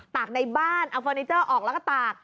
กในบ้านเอาเฟอร์นิเจอร์ออกแล้วก็ตาก